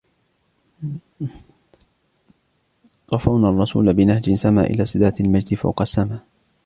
قفونا الرسول بنهج سما إلى سدرة المجد فوق السما